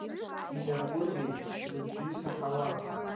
Изакәи зыбжьы саҳауа?